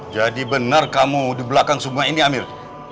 jadi benar kamu di belakang sungai ini amir